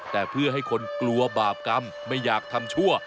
แต่เพื่อให้คนกลัวบาปกรรมไม่อยากทำชั่ว